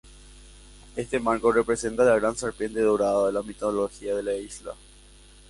Este marco representa la gran serpiente dorada de la mitología de la isla.